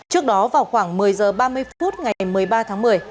trước đó vào khoảng một mươi h ba mươi phút ngày một mươi ba tháng một mươi